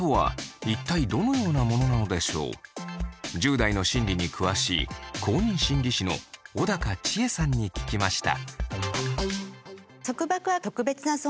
１０代の心理に詳しい公認心理師の小高千枝さんに聞きました。